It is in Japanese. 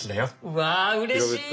うわあうれしい！